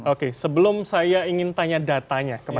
oke sebelum saya ingin tanya datanya